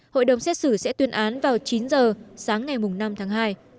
hội đồng xét xử sẽ tuyên án vào chín giờ sáng ngày năm tháng hai